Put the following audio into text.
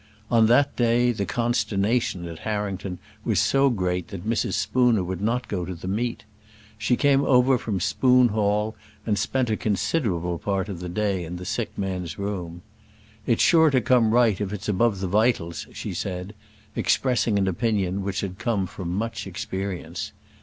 On that day the consternation at Harrington was so great that Mrs. Spooner would not go to the meet. She came over from Spoon Hall, and spent a considerable part of the day in the sick man's room. "It's sure to come right if it's above the vitals," she said, expressing an opinion which had come from much experience.